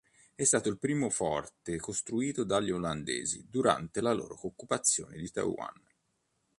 È stato il primo forte costruito dagli olandesi durante la loro occupazione di Taiwan.